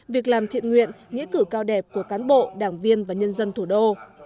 việc làm thiện nguyện nghĩa cử cao đẹp của cán bộ đảng viên và nhân dân thủ đô